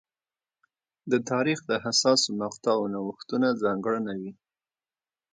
د تاریخ د حساسو مقطعو نوښتونه ځانګړنه وې.